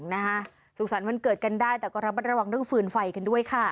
นะคะสุขสรรค์วันเกิดกันได้แต่ก็ระมัดระวังเรื่องฟืนไฟกันด้วยค่ะ